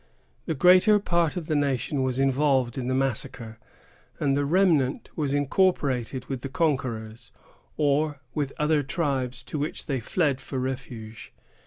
The greater part of the nation was involved in the massacre, and the remnant was incorporated with the conquerors, or with other tribes, to which they fled for refuge.